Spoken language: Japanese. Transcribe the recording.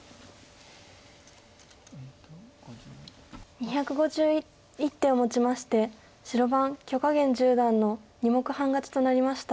２５１手をもちまして白番許家元十段の２目半勝ちとなりました。